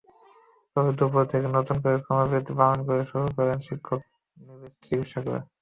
তবে দুপুর থেকে নতুন করে কর্মবিরতি পালন শুরু করেন শিক্ষানবিশ চিকিৎসকেরা।